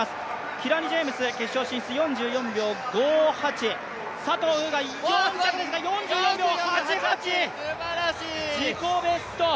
キラニ・ジェームズ決勝進出、４４秒５８、佐藤風雅４着ですが４４秒８８、自己ベスト！